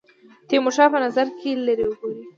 تیمورشاه په نظر کې لري وګوري.